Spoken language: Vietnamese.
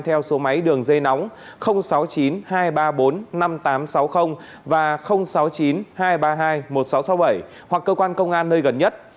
theo số máy đường dây nóng sáu mươi chín hai trăm ba mươi bốn năm nghìn tám trăm sáu mươi và sáu mươi chín hai trăm ba mươi hai một nghìn sáu trăm sáu mươi bảy hoặc cơ quan công an nơi gần nhất